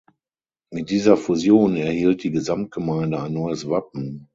Mit dieser Fusion erhielt die Gesamtgemeinde ein neues Wappen.